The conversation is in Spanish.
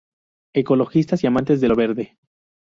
Ecologistas y amantes de lo verde.